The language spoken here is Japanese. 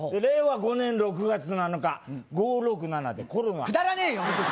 ５年６月７日５６７でコロナくだらねえよ